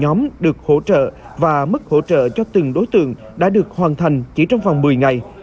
nhóm được hỗ trợ và mức hỗ trợ cho từng đối tượng đã được hoàn thành chỉ trong vòng một mươi ngày